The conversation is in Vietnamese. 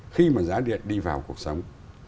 khi mà giá điện đi vào cuộc sống